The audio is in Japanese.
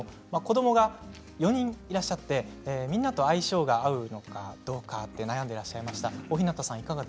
子どもが４人いらっしゃってみんなと相性が合うのかどうか悩んでいらっしゃいました。